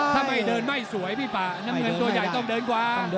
ถ้าไม่เดินไม่สวยพี่ป่าน้ำเงินตัวใหญ่ต้องเดินขวา